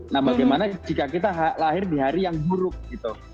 nah bagaimana jika kita lahir di hari yang buruk gitu